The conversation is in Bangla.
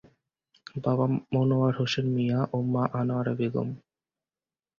বাবা মনোয়ার হোসেন মিয়া ও মা আনোয়ারা বেগম।